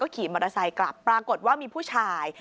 ขี่มอเตอร์ไซค์กลับปรากฏว่ามีผู้ชาย